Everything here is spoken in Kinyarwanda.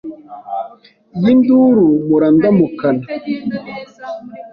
Iyi nduru mpora ndamukana